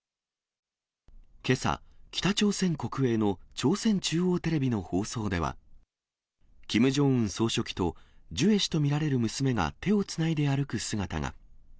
けさ、北朝鮮国営の朝鮮中央テレビの放送では、キム・ジョンウン総書記とジュエ氏と見られる娘が手をつないで歩く姿が。